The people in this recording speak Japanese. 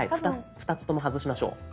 ２つとも外しましょう。